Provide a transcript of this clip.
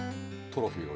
トロフィー。